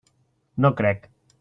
No crec.